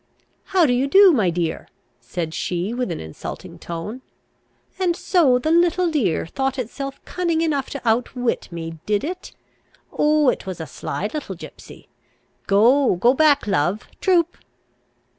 "How do you do, my dear?" said she, with an insulting tone. "And so the little dear thought itself cunning enough to outwit me, did it? Oh, it was a sly little gipsy! Go, go back, love; troop!"